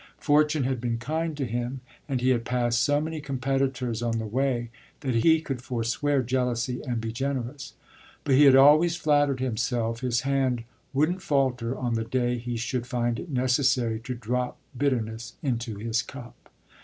Fortune had been kind to him and he had passed so many competitors on the way that he could forswear jealousy and be generous. But he had always flattered himself his hand wouldn't falter on the day he should find it necessary to drop bitterness into his cup.